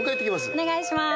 お願いします